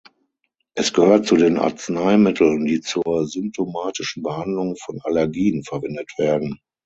Es gehört zu den Arzneimitteln, die zur symptomatischen Behandlung von Allergien verwendet werden.